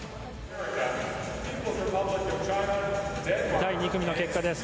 第２組の結果です。